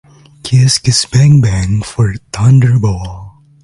Kiss Kiss Bang Bang" for "Thunderball".